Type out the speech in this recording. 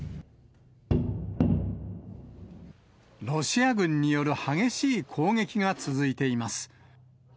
ロシア軍による激しい攻撃が続いています。